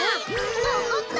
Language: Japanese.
のこった！